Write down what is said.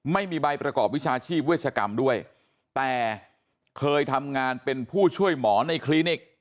ไม่มีใบประกอบวิชาชีพเวชกรรมด้วยแต่เคยทำงานเป็นผู้ช่วยหมอในคลินิก